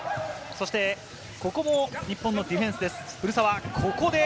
ここも日本のディフェンスです、古澤。